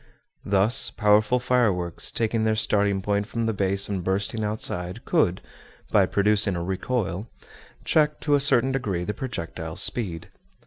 Thus, powerful fireworks, taking their starting point from the base and bursting outside, could, by producing a recoil, check to a certain degree the projectile's speed.